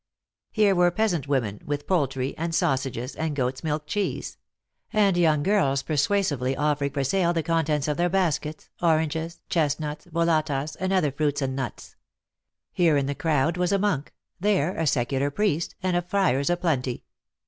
Here were peasant women, with poultry, and sausages, and goats milk cheese; and young girls, persuasively offering for sale the contents THE ACTEESS IN HIGH LIFE. 65 of their baskets, oranges, chesnuts, bolotas, and other fruits and nuts. Here, in the crowd, was a monk ; there, a secular priest, and of friars a plenty.